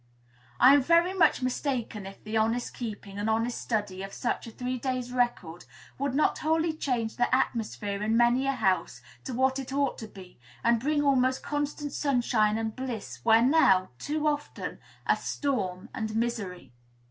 I am very much mistaken if the honest keeping and honest study of such a three days' record would not wholly change the atmosphere in many a house to what it ought to be, and bring almost constant sunshine and bliss where now, too often, are storm and misery.